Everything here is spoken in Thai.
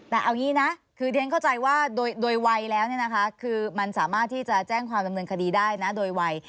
แต่เอางี้นะคือเรียนเข้าใจว่าโดยวัยแล้วคือมันสามารถที่จะแจ้งความดำเนินคดีได้นะโดยวัย